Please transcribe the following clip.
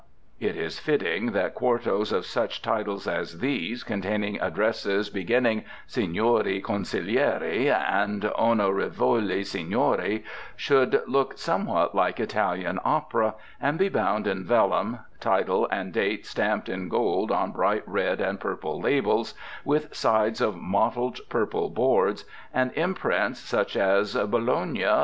It is fitting that quartos of such titles as these, containing addresses beginning Signori Consiglieri and Onorevoli Signori, should look something like Italian opera, and be bound in vellum, title and date stamped in gold on bright red and purple labels, with sides of mottled purple boards, and imprints such as "Bologna.